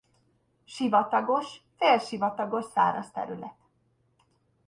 Sivatagos-félsivatagos száraz terület.